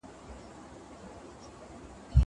وغوږ ته مي د سوي زړه فریاد راغلی دی